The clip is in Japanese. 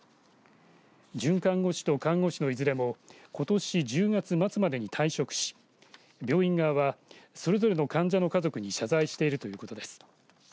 准看護師と看護師のいずれもことし１０月末までに退職し病院側はそれぞれの患者の家族に謝罪しているということです。